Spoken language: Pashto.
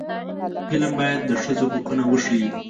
فلم باید د ښځو حقونه وښيي